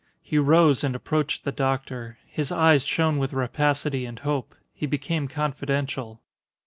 He rose and approached the doctor. His eyes shone with rapacity and hope; he became confidential.